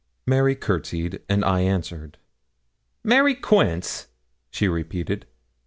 Mary courtesied, and I answered. 'Mary Quince,' she repeated.